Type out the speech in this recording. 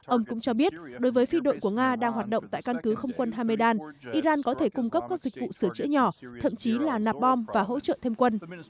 ông cũng cho biết đối với phi đội của nga đang hoạt động tại căn cứ không quân hamedan iran có thể cung cấp các dịch vụ sửa chữa nhỏ thậm chí là nạp bom và hỗ trợ thêm quân